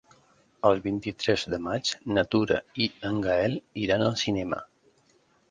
El vint-i-tres de maig na Tura i en Gaël iran al cinema.